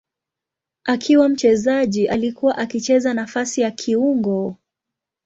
Akiwa mchezaji alikuwa akicheza nafasi ya kiungo.